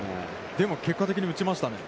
でも結果的に打ちましたね。